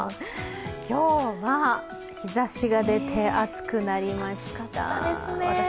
今日は日ざしが出て暑くなりました。